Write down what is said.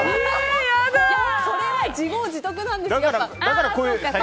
それは自業自得なんですよ。